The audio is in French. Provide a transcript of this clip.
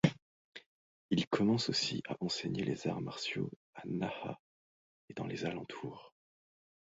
Il commence aussi à enseigner les arts martiaux à Naha et dans les alentours.